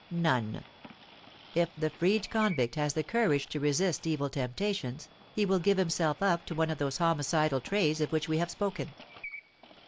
None! If the freed convict has the courage to resist evil temptations, he will give himself up to one of those homicidal trades of which we have spoken.